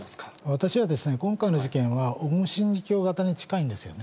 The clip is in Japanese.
私はですね、今回の事件は、オウム真理教型に近いんですよね。